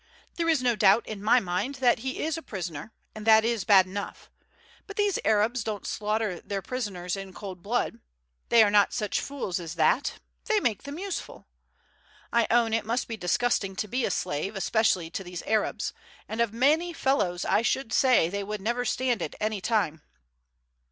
There is no doubt in my mind that he is a prisoner, and that is bad enough; but these Arabs don't slaughter their prisoners in cold blood, they are not such fools as that, they make them useful. I own it must be disgusting to be a slave, especially to these Arabs, and of many fellows I should say they would never stand it any time.